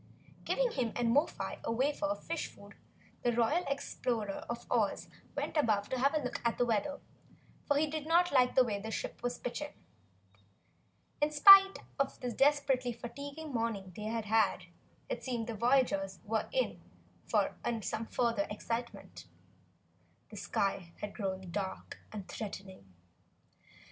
Giving him and Mo fi a wafer of fish food, the Royal Explorer of Oz went above to have a look at the weather, for he did not like the way the ship was pitching. In spite of the desperately fatiguing morning they had had, it seemed the voyagers were in for some further excitement. The sky had grown dark and threatening.